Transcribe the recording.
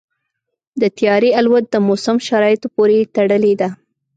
د طیارې الوت د موسم شرایطو پورې تړلې ده.